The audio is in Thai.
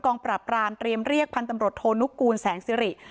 กองปราปราณเตรียมเรียกพันธมโรโทนุกกูลแสงสิริ